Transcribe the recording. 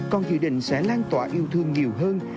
con dự định sẽ lan tỏa yêu thương nhiều hơn